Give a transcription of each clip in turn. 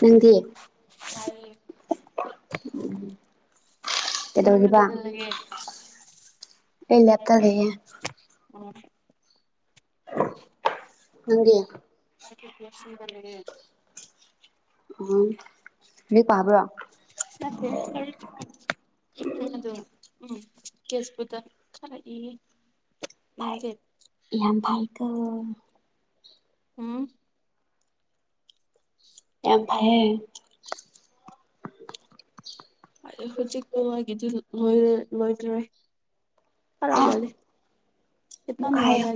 ꯅꯪꯗꯤ ꯑꯩꯈꯣꯏꯅ ꯎꯝ ꯃꯪ ꯀꯗꯅ ꯂꯩꯒꯦ ꯂꯩ ꯂꯥꯛꯇ ꯂꯩꯦ ꯑꯣ ꯅꯪꯒ ꯁ ꯂꯩ ꯎꯝ ꯂꯥꯏꯔꯤꯛ ꯄꯥꯕ꯭ꯔꯣ ꯀꯦ ꯎꯝ ꯀꯦꯁꯄꯗ ꯈꯏ ꯌꯥꯝ ꯐꯏꯒ ꯎꯝ ꯌꯥꯝ ꯍ ꯍꯧꯖꯤꯛꯛꯇꯋꯥꯒꯤꯗꯤ ꯂꯣꯏꯗ꯭ꯔꯦ ꯈꯔ ꯋꯥꯦ ꯑꯃꯨꯛꯀ ꯏꯇꯅꯅꯨꯡ ꯋꯥꯂꯦ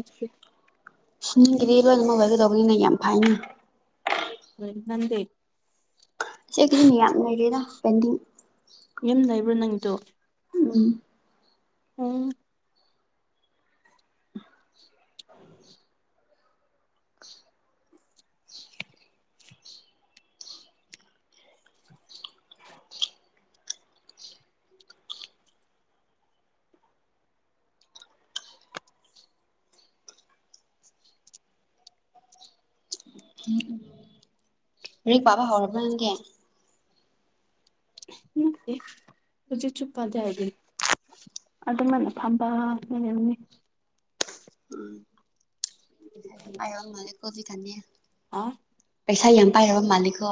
ꯒꯤꯗꯤ ꯂꯣꯏꯅ ꯃꯕꯜꯒꯩꯗꯧꯕꯅꯤꯅꯦ ꯌꯥꯝ ꯐꯩꯅꯤ ꯅꯗꯦ ꯀꯗꯤꯅꯤ ꯌꯥꯝ ꯂꯩ ꯀꯗ ꯀꯦꯟꯗꯤ ꯌꯨꯝ ꯂꯩꯕ꯭ꯔꯣ ꯅꯪꯒꯤꯗꯣ ꯎꯝ ꯎꯝ [inaudible] ꯔꯤꯛ ꯄꯥꯕ ꯍꯧꯥꯎꯔꯕ ꯅꯪꯒꯦ ꯃꯦ ꯔꯨꯆꯤ ꯆꯨꯞꯄꯗꯦ ꯍꯥꯏꯗꯤ ꯑꯗꯨꯗ ꯃꯅ ꯑꯝꯕ ꯅꯅꯦꯅꯤ ꯀꯣꯕꯤ ꯀ ꯑ ꯄꯩꯁꯥ ꯌꯥꯝ ꯄꯥꯏꯔꯕ ꯃꯥꯂꯀꯣ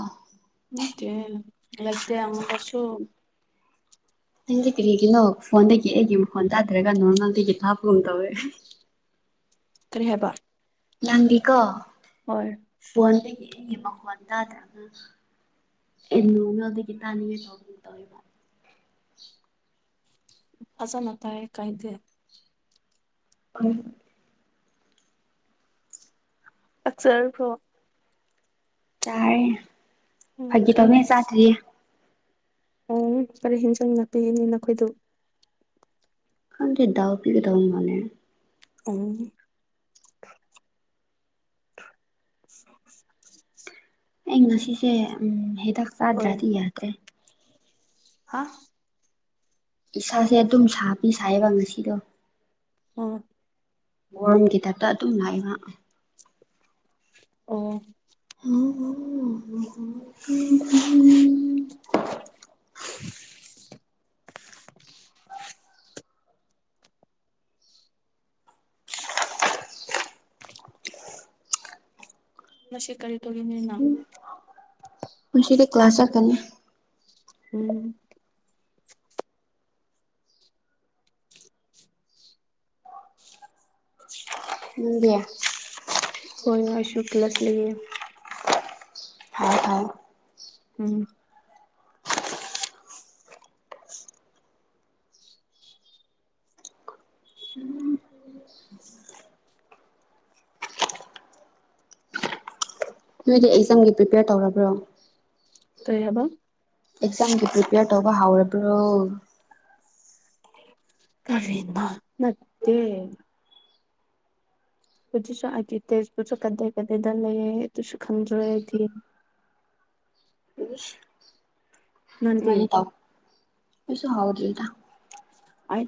ꯅꯀꯦ ꯂꯥꯏꯇ ꯑꯃꯣꯟꯁꯨꯣ ꯅꯪꯗꯤ ꯀꯔꯤꯒꯤꯅꯣ ꯐꯣꯟꯗꯒꯤ ꯑꯩꯒꯤ ꯐꯣꯟ ꯇꯥꯊꯔꯒ ꯅꯣꯔꯃꯦꯜꯗꯒꯤ ꯊꯥꯞꯕꯒꯨꯝ ꯇꯧꯋꯦ ꯇꯔꯦ ꯍꯥꯏꯕꯔ ꯅꯪꯒꯤꯀꯣ ꯐꯣꯟꯗꯒꯤ ꯑꯩꯒꯤ ꯃꯈꯣꯟ ꯇꯥꯗ꯭ꯔꯒ ꯏꯣꯅ ꯑꯣ ꯑꯗꯨꯒꯤ ꯇꯅꯤꯡꯉ ꯇꯣ ꯇꯣꯃ ꯐꯖꯅꯇꯥ ꯀꯥꯏꯗꯦ ꯐꯝ ꯑꯛꯆꯔ ꯐ꯭ꯔꯣ ꯇꯔꯦ ꯎꯝ ꯐꯦ ꯇꯃꯦ ꯁꯥꯇꯔꯤꯦ ꯑꯣ ꯀꯔꯤ ꯍꯦꯟꯖꯥꯡꯅꯄꯤꯤꯅꯤ ꯅꯈꯣꯏꯗꯨ ꯍꯪꯗꯤꯗꯎ ꯄꯤꯒꯗꯎ ꯃꯥꯅꯦ ꯎꯝ [unintelligible] ꯑꯩ ꯉꯁꯤꯁꯦ ꯎꯝ ꯍꯦꯗ ꯍꯣꯏ ꯁꯥꯗ꯭ꯔꯗꯤ ꯌꯥꯗ꯭ꯔꯦ ꯍꯥ ꯏꯁꯥꯁꯦ ꯑꯗꯨꯝ ꯁꯥꯕꯤ ꯁꯥꯏꯌꯦꯕ ꯉꯁꯤꯗꯣ ꯍ ꯣꯟꯒꯤꯗꯞꯛꯇ ꯑꯗꯨꯝꯅꯏ ꯋꯥ ꯑꯣ ꯑꯣ ꯅꯁꯤ ꯀꯔꯤ ꯇꯧꯔꯤ ꯃꯤꯅ ꯄꯨꯟꯁꯤꯒꯤ ꯀ꯭ꯂꯥꯁꯔ ꯑꯃꯅꯤꯅꯤ ꯎꯝ ꯅꯪꯗꯤ ꯍꯣꯏ ꯑꯁꯨꯨ ꯀ ꯂꯁ ꯂꯩꯦ ꯐ ꯍ ꯎꯝ ꯅꯣꯏꯗꯤ ꯑꯦꯛꯖꯥꯝꯒꯤ ꯄ꯭ꯔꯤꯄꯦꯌꯔ ꯇꯧꯔꯕ꯭ꯔꯣ ꯇ ꯍꯥꯏꯕ ꯑꯦꯛꯖꯥꯝꯒꯤ ꯄ꯭ꯔꯤꯄꯦꯌꯔ ꯇꯧꯕ ꯍꯧꯥꯎꯔꯕ꯭ꯔꯣ ꯀꯔꯃ ꯅꯠꯇꯦ ꯑꯗꯨꯁꯨ ꯑꯒꯤ ꯇꯦꯖꯄꯨꯁꯨ ꯀꯗꯩ ꯀꯗꯏꯗ ꯂꯩ ꯑꯗꯨꯁꯨ ꯈꯪꯗ꯭ꯔꯦ ꯑꯩꯗꯤ [unintelligible] ꯃ ꯇꯥꯎ ꯑꯩ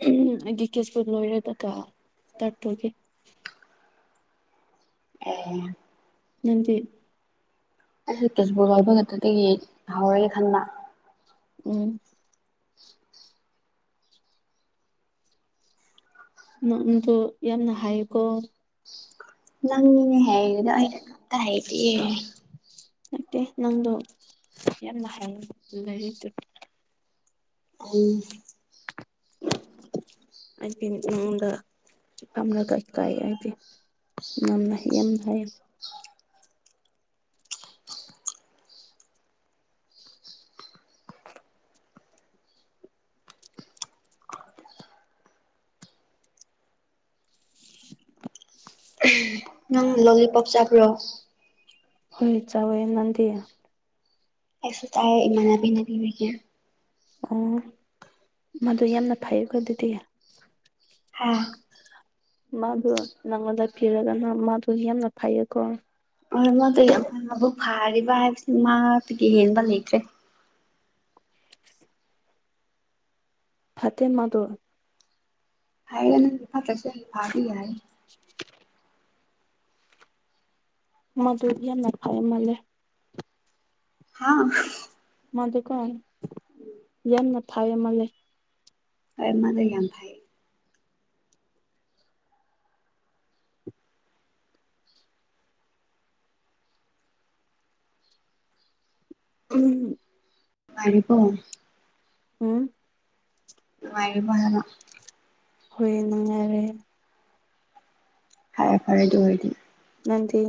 ꯍꯦ ꯂꯣꯏꯔꯦꯗꯀ ꯇꯥꯛꯄꯒꯤ ꯑꯣ ꯅꯪꯁ‌ꯦ ꯑꯩꯁꯦ ꯇꯦꯁꯄꯨꯔ ꯂꯕ ꯈꯛꯇꯗꯒꯤ ꯍꯧꯔꯒꯦ ꯈꯟꯕꯥ ꯎꯝ ꯅꯗꯣ ꯌꯥꯝꯅ ꯍꯥꯏꯀꯣ ꯅꯪꯃꯤꯅꯦ ꯍꯥꯏꯗ‌ꯣ ꯍꯥꯏꯗꯤꯌ‌ꯦ ꯅꯠꯇꯦ ꯅꯪꯗꯣ ꯌꯥꯝꯅꯥ ꯍꯥꯏ ꯂꯩꯔꯤ ꯎꯝ ꯌꯥꯝꯅ ꯀꯥꯏ ꯀꯥꯏ ꯍꯥꯏꯗꯤ ꯌꯥꯝꯅꯥ ꯌꯥꯝꯅ ꯍꯥꯏꯌꯦ ꯅꯪ ꯂꯣꯂꯤꯄꯣꯞ ꯆꯥꯕ꯭ꯔꯣ ꯍꯣꯏ ꯆꯌ‌ꯦꯏ ꯅꯗꯤꯌꯥ ꯑꯧꯁꯨ ꯆꯥꯏꯑ‌ꯦ ꯏꯃꯅꯕꯤꯅꯕꯤꯕꯤꯒꯦ ꯑꯣ ꯃꯗꯨ ꯌꯥꯝꯅ ꯐꯩꯀꯣ ꯑꯗꯨꯗꯤ ꯍꯥ ꯃꯗꯨ ꯅꯪꯗ ꯄꯤꯔꯒꯅ ꯃꯥꯗꯨ ꯌꯥꯝꯅ ꯐꯩꯌꯦꯀꯣ ꯍ ꯃꯗꯨꯕꯨ ꯐꯥꯔꯤꯕ ꯍꯥꯏꯕꯁꯤ ꯃꯥꯗꯨꯗꯒꯤ ꯍꯦꯟꯕ ꯂꯩꯇ꯭ꯔꯦ ꯐꯠꯇꯦ ꯃꯥꯗꯨ ꯍꯥꯏ ꯐꯥꯗꯤ ꯃꯗꯨꯨꯔꯌꯥ ꯅꯈꯥꯏ ꯃꯥꯂꯦ ꯍꯥꯥ ꯃꯥ ꯗꯨꯀꯥꯟ ꯌꯥꯝꯅ ꯐꯥꯏ ꯃꯥꯜꯂ ꯑ ꯃꯅ ꯌꯥꯝ ꯐꯥꯏ ꯎꯝ ꯅꯨꯪꯉꯥꯏꯔꯤꯕꯣ ꯎꯝ ꯅꯨꯪꯉꯥꯏꯔꯤꯕꯥ ꯍꯥꯏꯕ ꯍꯣꯏ ꯅꯨꯡꯉꯥꯏꯔꯦ ꯐꯔꯦ ꯐꯔꯦꯗꯨ ꯑꯣꯏꯗꯤ ꯅꯪꯗꯤ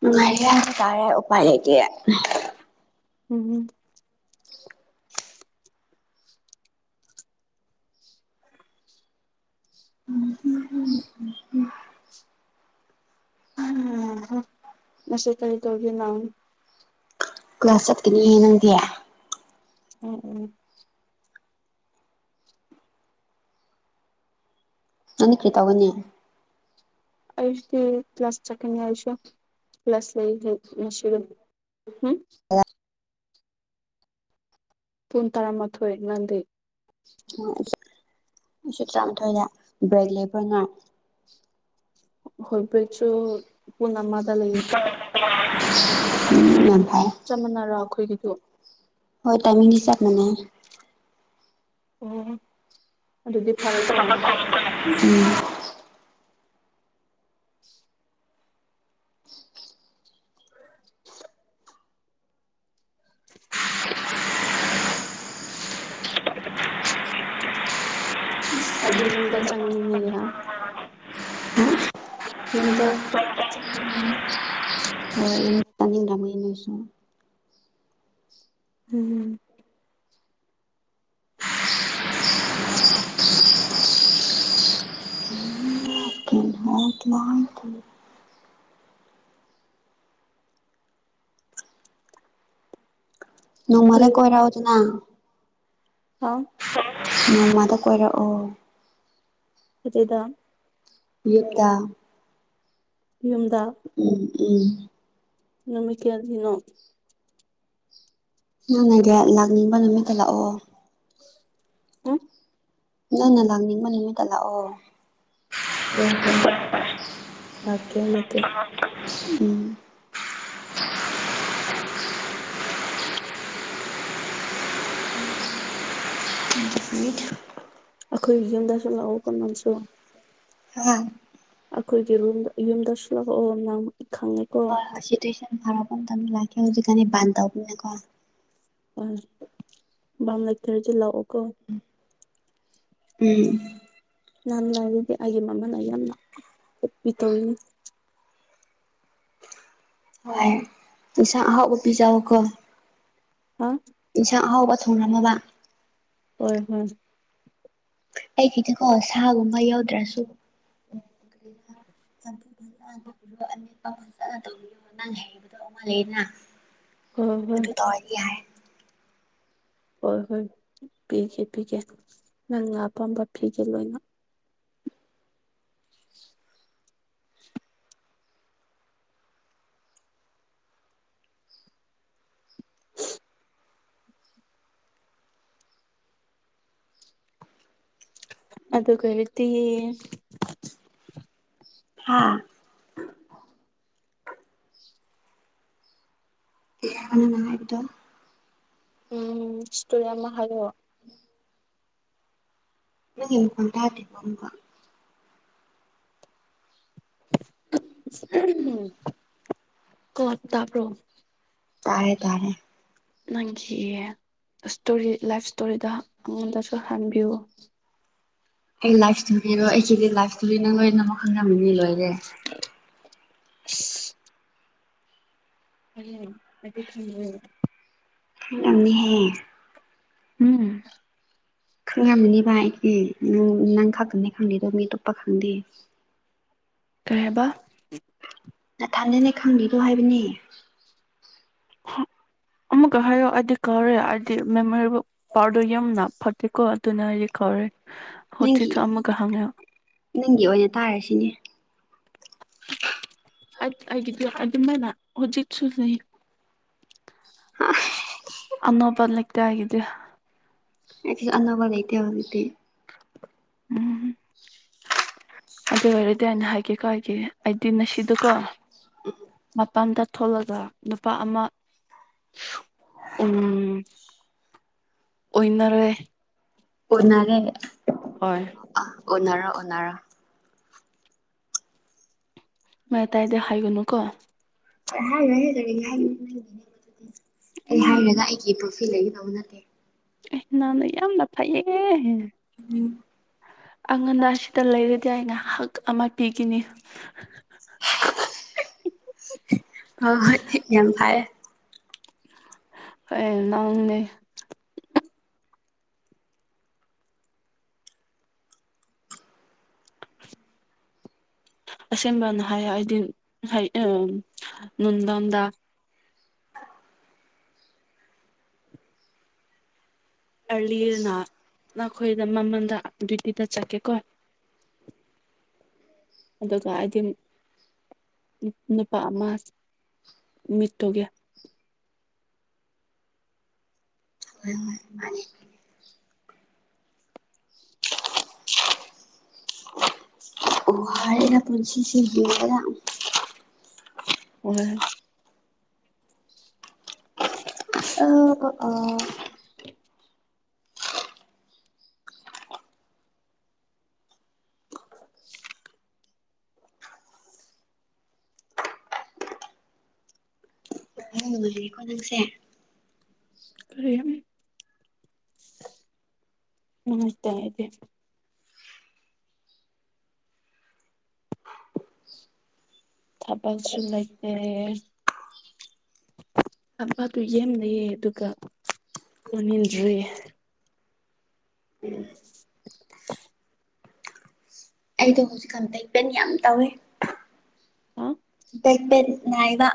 ꯅꯨꯪꯉꯥꯏ ꯍꯥꯏꯕ ꯇꯥꯔꯦ ꯎꯄꯥꯏ ꯂꯩꯇꯤꯌꯦ ꯎꯝꯝ [inaudible] ꯎ ꯎꯝ ꯅꯁꯦ ꯀꯩ ꯇꯣꯒꯦ ꯂꯅꯥꯎꯟ ꯀ꯭ꯂꯥꯁ ꯆꯠꯀꯅꯤꯍꯦ ꯅꯪꯗꯤ ꯎꯝ ꯎꯝ ꯅꯅꯤ ꯀ꯭ꯔꯔꯤ ꯇꯒꯅꯤꯦ ꯑꯌꯨꯛꯁꯨ ꯀ꯭ꯂꯥꯁ ꯆꯠꯀꯅꯤ ꯑꯌꯨꯀꯁꯨ ꯀ꯭ꯂꯥꯁ ꯂꯩꯁꯤꯒ ꯎꯝ ꯄꯨꯨꯡ ꯇꯔꯥ ꯃꯊꯣꯏ ꯅꯪꯗꯤ ꯑꯩ ꯇꯔꯥꯃꯥꯊꯣꯏꯗ ꯕ꯭ꯔꯦꯛ ꯂꯩꯕ꯭ꯔꯥ ꯉꯥꯏ ꯍꯣꯏ ꯐꯁꯨ ꯄꯨꯟꯅꯃꯥꯗ ꯂꯩꯌꯦ ꯎꯝ ꯆꯞ ꯃꯥꯟꯅꯔ ꯑꯩꯈꯣꯏꯒꯤꯗꯣ ꯍ ꯇꯥꯏ ꯍ ꯃ ꯑꯣ ꯑꯗꯨꯗꯤ ꯐꯔꯦꯀꯣ ꯎꯝ [inaudible] ꯑ ꯑꯗꯤ ꯌꯝꯗ ꯆꯪ ꯌꯥ ꯅꯗ ꯆ ꯁꯨ ꯎꯝ [inaudible] ꯎ ꯅꯣꯡꯃꯗ ꯀꯣꯏꯔꯛꯎꯗꯅ ꯑ ꯅꯣꯡꯃꯥꯗ ꯀꯣꯏꯔꯛꯑꯣ ꯆꯗ ꯌꯗ ꯎꯝ ꯎꯝ ꯅꯨꯃꯤ ꯀꯌꯥꯒꯤꯅꯣ ꯅꯪꯅꯒ ꯂꯥꯛꯅꯤꯡꯕ ꯅꯨꯃꯤꯠꯇ ꯂꯥꯛꯑꯣ ꯎꯝ ꯅꯪꯅ ꯂꯥꯛꯅꯤꯡꯕ ꯅꯨꯃꯤꯠꯇ ꯂꯥꯛꯑꯣ ꯑꯣ ꯍꯣꯏ ꯂꯥꯛꯀꯦ ꯅꯀꯦ ꯎꯝ ꯇ꯭ꯋ ꯐꯤꯠ ꯑꯩꯈꯣꯏ ꯌꯨꯝꯗꯁꯨ ꯂꯥꯛꯑꯣ ꯀ ꯅꯝꯁꯨ ꯎꯝ ꯑꯣ ꯍ ꯍ ꯁꯤ ꯇ ꯁ ꯐꯔ ꯄꯥꯟꯗ ꯂꯥꯛꯦ ꯍꯧꯖꯤꯀ ꯥꯟꯗꯕꯅ ꯈꯣ ꯑ ꯝ ꯂꯩꯊꯔꯁꯤ ꯂꯥꯛꯑꯣꯀꯣ ꯄ ꯅꯍꯥꯟ ꯂꯥꯏꯔꯗꯤ ꯑꯩꯒꯤ ꯃꯃꯅ ꯌꯥꯝꯅ ꯇꯠꯄꯤ ꯇꯧꯏꯅꯤ ꯍꯣꯏ ꯄꯩꯁꯥ ꯑꯍꯥꯎꯒꯄꯤꯖꯕꯀꯣ ꯍꯥ ꯏꯟꯁꯥꯡ ꯑꯍꯥꯎꯕ ꯊꯣꯡꯡꯂꯝꯃꯕ ꯍꯣꯏ ꯍꯣꯏ ꯑꯩꯒꯤꯈꯤꯗꯤꯀꯣ ꯁꯥꯒꯨꯝꯕ ꯌꯥꯎꯗ꯭ꯔꯁꯨ [inaudible] ꯃꯐꯨꯖꯅ ꯇꯧꯕꯤꯌꯣ ꯅꯪ ꯍꯩꯕꯗꯣ ꯑꯃ ꯂꯩꯅ ꯍꯣꯏ ꯍꯣꯏ ꯃꯗꯨ ꯇꯧꯔꯗꯤ ꯍꯥꯏ ꯍꯣꯏ ꯍꯣꯏ ꯄꯤꯒꯦ ꯄꯤꯒꯦ ꯅꯪꯅ ꯑꯄꯥꯝꯕ ꯄꯤꯒꯦ ꯂꯣꯏꯅ [inaudible] [unintelligible] ꯍꯥꯥ ꯑꯅ ꯍꯥꯏꯕꯤꯗ ꯎꯝ ꯁꯇꯔꯤ ꯑꯃ ꯍꯥꯏꯂꯑꯣ ꯀꯣꯟ ꯇꯥꯇꯤꯕꯕ ꯀ ꯇꯕ꯭ꯔꯣ ꯇꯥꯔꯦ ꯇꯥꯔꯦ ꯃꯒꯤ ꯏꯁꯇꯣꯔꯤ ꯂꯥꯏꯐ ꯏꯁꯇꯣꯔꯤꯗ ꯑꯩꯉꯣꯟꯗꯁꯨ ꯍꯟꯕꯤꯌꯨ ꯑꯩ ꯂꯥꯏꯐꯇꯨꯕꯤꯔꯣ ꯑꯩꯁꯤꯗꯤ ꯂꯥꯏꯐꯇꯨꯕꯤ ꯅꯪ ꯂꯣꯏꯅꯃꯛꯨꯛ ꯈꯪꯉꯃꯤꯅꯤ ꯂꯣꯏꯔꯦ [unintelligible] [unintelligible] ꯑꯍꯦ ꯎꯝ ꯈꯉꯥ ꯃꯅꯤꯕ ꯎꯝ ꯅꯪ ꯈꯥꯨꯝꯅꯦ ꯈꯪꯗꯦꯗꯣ ꯃꯤ ꯇꯞꯄ ꯈꯪꯗꯦ ꯀꯦꯕ ꯅ ꯊꯗꯅꯦ ꯈꯪꯕꯤꯔꯣ ꯍꯥꯏꯕꯅꯦ ꯑ ꯑꯃꯨꯛꯀ ꯍꯥꯏꯌꯣ ꯑꯩꯗꯤ ꯀꯥꯎꯔꯦ ꯑꯩꯗꯤ ꯃꯦꯃꯣꯔꯦꯕꯜ ꯄꯥꯎꯔꯗꯣ ꯌꯅ ꯐꯠꯇꯦꯀꯣ ꯑꯗꯨꯅ ꯑꯩꯗꯤ ꯀꯥꯎꯔꯦ ꯅꯪꯒꯤ ꯍꯧꯖꯤꯁꯨ ꯑꯃꯃ ꯀꯍꯥꯒ ꯅꯪꯒꯤ ꯑꯣꯏꯅ ꯇꯥꯔꯁꯤꯅꯦ ꯑ ꯍꯥꯏꯒꯗꯣ ꯑꯗꯨꯗ ꯃꯅꯥ ꯍꯧꯖꯤꯠꯁꯨ ꯅ ꯑꯅꯣꯕꯜ ꯂꯤꯇꯦ ꯍꯥꯏꯒꯗꯌꯥ ꯑꯅꯧꯕ ꯂꯩꯇ ꯍꯧꯖꯤꯦ ꯎꯝ ꯑꯗꯨ ꯑꯣꯏꯔꯗꯤ ꯑꯅ ꯍꯥꯏꯒꯦ ꯀꯣ ꯍꯥꯏꯒꯦ ꯑꯩꯗꯤ ꯉꯁꯤꯗꯀꯣ ꯃꯄꯥꯟꯗ ꯊꯣꯛꯂꯒ ꯅꯨꯄꯥ ꯑꯃ ꯎꯝ ꯑꯣꯏꯅꯟꯅꯔꯦ ꯑꯣꯟꯅꯔꯦ ꯍꯣꯏ ꯑꯣꯟꯅꯔ ꯑꯣꯟꯅꯔ ꯃ ꯇꯥꯏꯗ ꯈꯥꯏꯒꯅꯨ ꯀꯣ ꯍꯥꯎ ꯔ ꯆ ꯌꯥ ꯑꯩ ꯎꯝ ꯍꯥꯏꯔꯒ ꯑꯩꯒꯤ ꯄ꯭ꯔꯣꯐꯤ ꯂꯩꯒꯗꯕ ꯅꯠꯇꯦ ꯑꯩ ꯅꯪꯅ ꯌꯥꯝꯅ ꯐꯩꯌꯦ ꯑꯉꯟꯗ ꯑꯁꯤꯗ ꯂꯩꯔꯗꯤ ꯑꯅ ꯍꯛ ꯑꯃ ꯄꯤꯈꯤꯅꯤ ꯍ ꯍꯣꯏ ꯌꯥꯝꯦꯝ ꯐꯥꯏ ꯅꯦ ꯑꯁꯦꯡꯕꯅ ꯍꯥꯏ ꯍꯥꯏꯗꯤ ꯎ ꯗꯥꯝꯗ ꯑꯔꯂꯤꯔꯅ ꯅꯈꯣꯏꯗ ꯃꯃꯟꯗ ꯑꯗꯨꯇꯤꯗ ꯆꯠꯀꯦꯀꯣ ꯑꯗꯨꯒ ꯍꯥꯏꯗꯤꯝ ꯅꯨꯄꯥ ꯑꯃ ꯃꯤꯠꯇꯣꯦ ꯎꯝ ꯀꯔ ꯄꯨꯟꯁꯤ ꯁꯤ ꯑꯣꯏ ꯑ ꯑ [inaudible] [inaudible] ꯀꯣ ꯅꯪꯁꯦ ꯀꯝ ꯅꯃꯁꯦꯗꯤ ꯊꯄꯁꯨꯟ ꯂꯩꯇꯦ ꯑꯄꯥꯗꯨ ꯌꯦꯦꯝꯅꯌꯦ ꯑꯗꯨꯒ ꯂꯣꯟꯅꯤꯡꯟꯗ꯭ꯔꯨꯌꯦ [inaudible] ꯑꯩꯗꯣ ꯍꯧꯖꯤꯛꯀꯥꯟꯇ ꯏꯄꯦꯟ ꯌꯥꯝ ꯇꯧꯋꯦ ꯍꯥ ꯇꯄꯕ